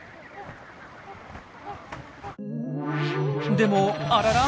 でもあらら。